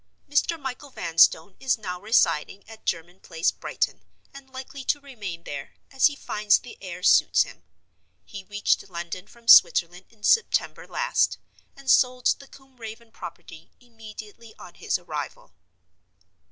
Mr. Michael Vanstone is now residing at German Place, Brighton, and likely to remain there, as he finds the air suits him. He reached London from Switzerland in September last; and sold the Combe Raven property immediately on his arrival.